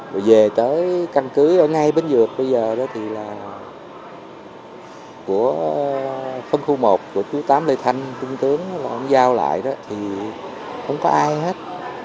rồi về tới căn cứ ở ngay bên dược bây giờ đó thì là của phân khu một của chú tám lê thanh trung tướng là ông giao lại đó thì không có ai hết